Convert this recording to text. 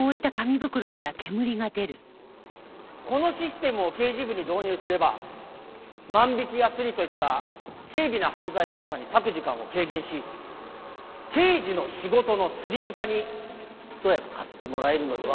このシステムを刑事部に導入すれば万引きやスリといった軽微な犯罪捜査に割く時間を軽減し刑事の仕事のスリム化にひと役買ってもらえるのではないかと。